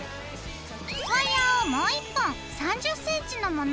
ワイヤーをもう１本３０ｃｍのものを用意して。